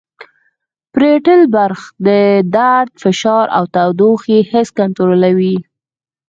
پریټل برخه د درد فشار او تودوخې حس کنترولوي